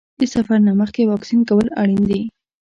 د سفر نه مخکې واکسین کول اړین دي.